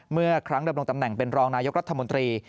เมื่อครั้งดำรงตำแหน่งเป็นรองนายกรัฐมนตรี